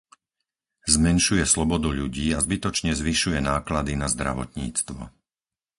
Zmenšuje slobodu ľudí a zbytočne zvyšuje náklady na zdravotníctvo.